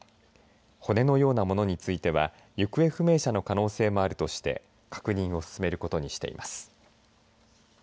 骨のようなものについては行方不明者の可能性もあるとして確認を進めることにしています。